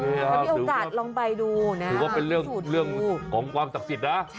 ถ้ามีโอกาสลองไปดูนะถือว่าเป็นเรื่องของความศักดิ์สิทธิ์นะ